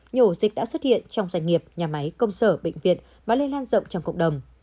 nhiều ổ dịch đã xuất hiện trong doanh nghiệp nhà máy công sở bệnh viện và lây lan rộng trong cộng đồng